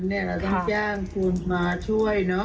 เนี้ยต้องจ้างคุณมาช่วยเนอะ